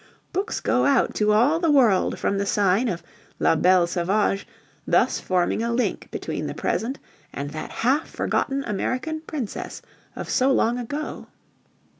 Books go out to all the world from the sign of La Belle Sauvage, thus forming a link between the present and that half forgotten American "princess" of so long ago.